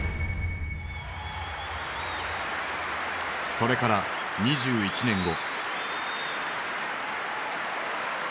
それから２１年後。